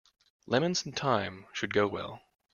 Lemons and thyme should go well.